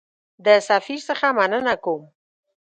د سفیر څخه مننه کوم.